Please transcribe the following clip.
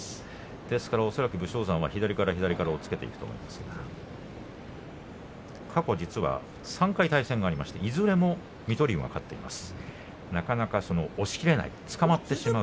恐らく武将山は左から左から押っつけていくと思いますが過去、実は３回対戦がありましていずれも水戸龍が勝っています。